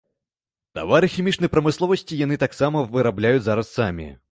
Тавары хімічнай прамысловасці яны таксама вырабляюць зараз самі.